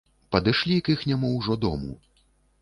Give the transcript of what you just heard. Падышлі к іхняму ўжо дому.